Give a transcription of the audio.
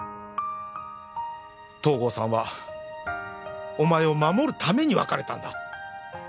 東郷さんはお前を守るために別れたんだ